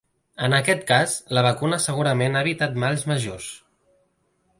En aquest cas, la vacuna segurament ha evitat mals majors.